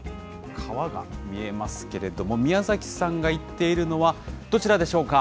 川が見えますけれども、宮崎さんが行っているのは、どちらでしょうか。